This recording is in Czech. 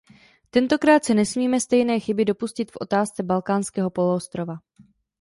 Tentokrát se nesmíme stejné chyby dopustit v otázce Balkánského poloostrova.